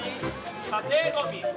家庭ごみ。